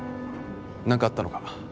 何かあったのか？